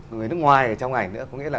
người nước ngoài ở trong ảnh nữa